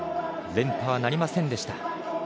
連覇はなりませんでした。